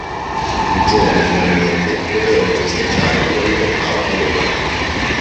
I giovani finalmente poterono festeggiare la libertà ottenuta.